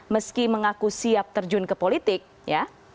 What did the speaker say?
meski mengaku siap terjun ke politik ya